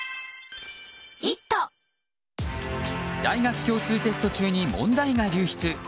大学共通テスト中に問題が流出。